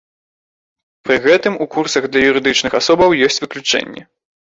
Пры гэтым у курсах для юрыдычных асобаў ёсць выключэнні.